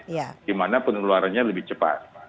iya dimana penularannya lebih cepat